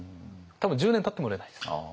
多分１０年たっても売れないです。